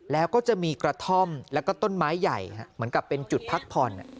แล้วก็จะมีกระท่อมแล้วก็ต้นไม้ใหญ่เหมือนกับเป็นจุดพักผ่อน